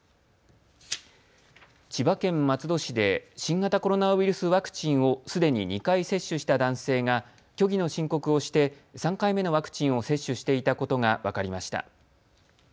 千葉県松戸市で新型コロナウイルスワクチンをすでに２回接種した男性が虚偽の申告をして３回目のワクチンを接種していたことが分かりました。